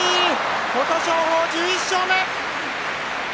琴勝峰、１１勝目。